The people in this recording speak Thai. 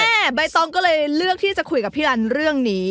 อันนั้นแม่ใบต้องก็เลยเลือกที่จะคุยกับพี่ลันเรื่องนี้